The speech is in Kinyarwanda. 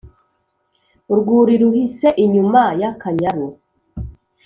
urwuri ruhise inyuma y’akanyaru